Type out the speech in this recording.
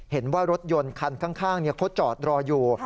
เห็นว่ารถยนต์คันข้างเขาจอดรออยู่